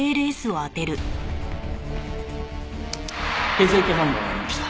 血液反応がありました。